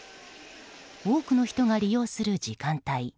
多くの人が利用する時間帯。